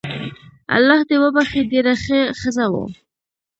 الله دي وبخښي ډیره شه ښځه وو